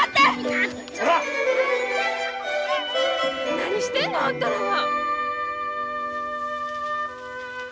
何してんのあんたらは！